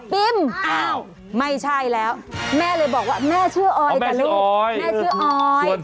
ปิ้มอ้าวไม่ใช่แล้วแม่เลยบอกว่าแม่ชื่อออยแต่ลูกแม่ชื่อออย